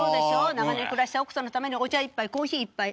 長年暮らした奥さんのためにお茶一杯コーヒー一杯。